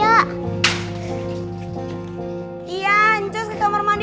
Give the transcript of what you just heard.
om kangen sama rena